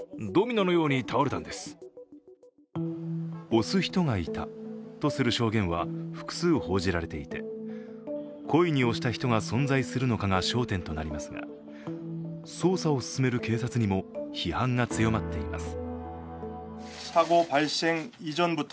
押す人がいたとする証言は複数報じられていて、故意に押した人が存在するのかが焦点となりますが捜査を進める警察にも批判が強まっています。